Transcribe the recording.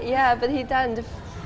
ya tapi dia menangis